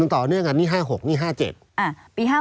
ตอนเรื่องนั้นปี๕๖ปี๕๗